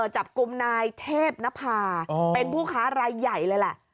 จับกลุ่มนายเทพนภาเป็นผู้ค้ารายใหญ่เลยแหละ